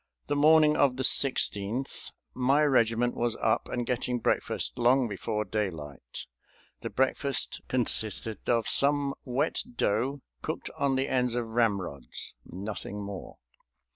The morning of the 16th my regiment was up and getting breakfast long before daylight. The breakfast consisted of some wet dough cooked on the ends of ramrods; nothing more.